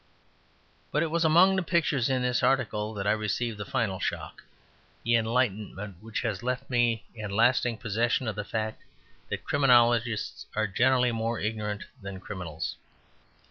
But it was among the pictures in this article that I received the final shock; the enlightenment which has left me in lasting possession of the fact that criminologists are generally more ignorant than criminals.